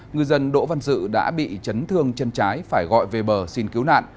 ngư dân đỗ văn dự đã bị chấn thương chân trái phải gọi về bờ xin cứu nạn